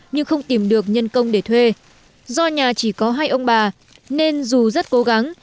nhưng không tìm được nhân công để thuê do nhà chỉ có hai ông bà nên dù rất cố gắng